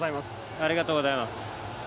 ありがとうございます。